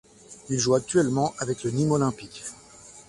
Il joue actuellement avec le Nîmes Olympique.